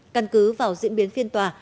căn cứ vào diễn biến phiên tòa